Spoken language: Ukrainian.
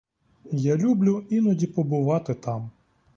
Я люблю іноді побувати там.